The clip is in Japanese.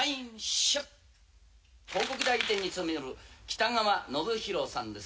広告代理店に勤める北川宣浩さんです。